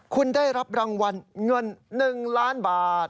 คุณได้รับรางวัลเงิน๑ล้านบาท